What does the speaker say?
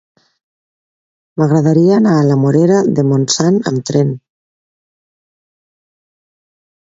M'agradaria anar a la Morera de Montsant amb tren.